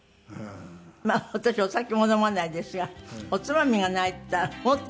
まあ私お酒も飲まないですがおつまみがないっていったらもっと嫌だ。